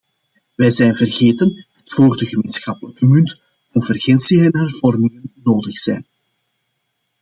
We zijn vergeten dat voor de gemeenschappelijke munt convergentie en hervormingen nodig zijn.